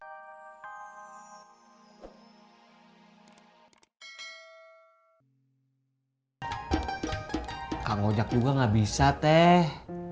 kak ngajak juga gak bisa teh